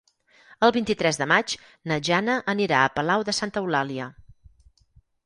El vint-i-tres de maig na Jana anirà a Palau de Santa Eulàlia.